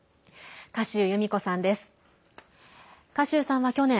賀集由美子さんです。